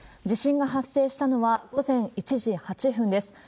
地震が発生したのは午前１時８分です。